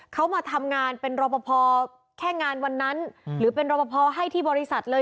เขามาทำงานเป็นรอปภแค่งานวันนั้นหรือเป็นรอปภให้ที่บริษัทเลย